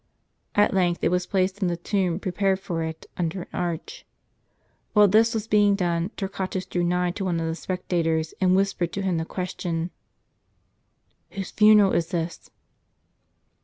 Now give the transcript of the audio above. At length it was placed in the tomb prepared for it, under an arch. While this was being done, Torquatus drew nigh to one of the spectators, and whisi^ered to him the question :" Whose funeral is this